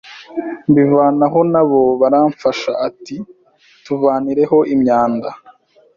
mbivanaho nabo baramfasha, ati tuvanireho imyanda